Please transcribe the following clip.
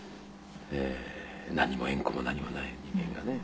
何も縁故も何もない人間がね。